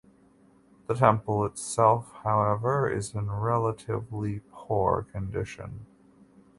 The temple itself however is in relatively poor condition.